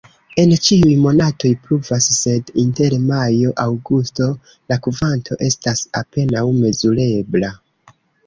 En ĉiuj monatoj pluvas, sed inter majo-aŭgusto la kvanto estas apenaŭ mezurebla.